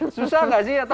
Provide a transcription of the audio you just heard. atau mau kolak gak di sana